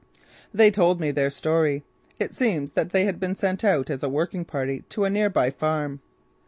They told me their story. It seems that they had been sent out as a working party to a near by farm.